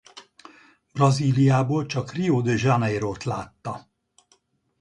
Brazíliából csak Rio de Janeirot látta.